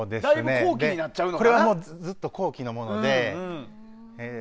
これはずっと後期のもので。